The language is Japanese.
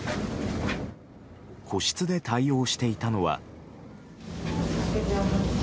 個室で対応していたのは。